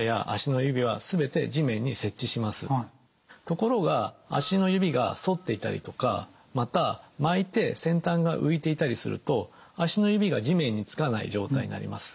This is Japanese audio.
ところが足の指が反っていたりとかまた巻いて先端が浮いていたりすると足の指が地面に着かない状態になります。